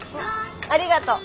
ありがとう。